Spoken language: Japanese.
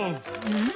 うん？